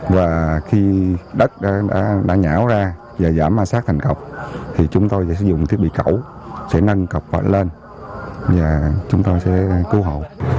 và khi đất đã nhảo ra và giảm ma sát thành cọp chúng tôi sẽ sử dụng thiết bị cẩu sẽ nâng cọp lên và chúng tôi sẽ cứu hộ